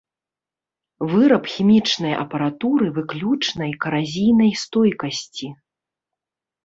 Выраб хімічнай апаратуры выключнай каразійнай стойкасці.